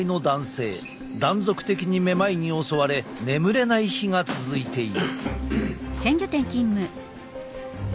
断続的にめまいに襲われ眠れない日が続いている。